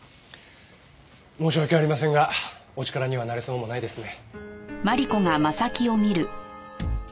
申し訳ありませんがお力にはなれそうもないですね。